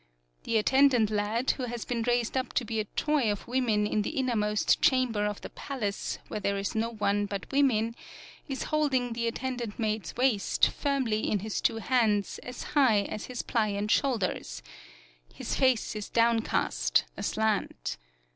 The attendant lad, who has been raised up to be a toy of women in the innermost chamber of the palace where there is no one but women, is holding the attendant maid's waist firmly in his two hands as high as his pliant shoulders; his face is downcast, aslant.